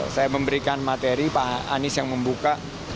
saya memberikan materi pak anies yang membuka